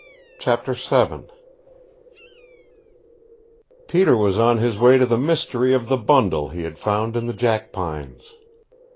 CHAPTER VII Peter was on his way to the mystery of the bundle he had found in the jackpines.